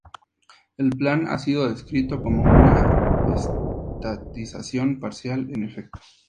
El plan ha sido descrito como una estatización parcial, en efecto.